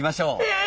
え！？